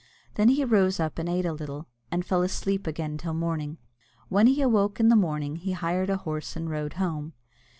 Then he rose up and ate a little, and fell asleep again till morning. When he awoke in the morning he hired a horse and rode home.